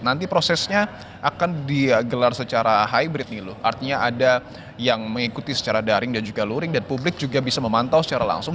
nanti prosesnya akan digelar secara hybrid nih loh artinya ada yang mengikuti secara daring dan juga luring dan publik juga bisa memantau secara langsung